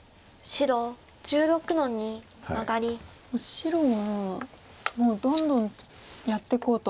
白はもうどんどんやっていこうと。